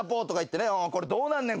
これどうなんねん。